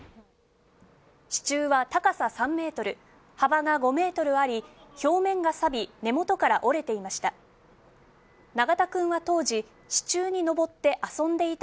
支柱は高さ３ｍ、幅が５ｍあり表面がさび、根元から折れていました。